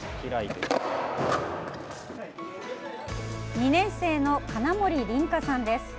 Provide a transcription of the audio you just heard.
２年生の金森綸花さんです。